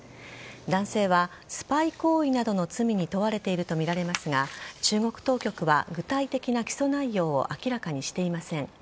男性はスパイ行為などの罪に問われているとみられますが中国当局は具体的な起訴内容を明らかにしていません。